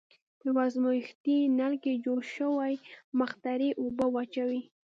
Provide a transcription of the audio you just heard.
په یوه ازمیښتي نل کې جوش شوې مقطرې اوبه واچوئ.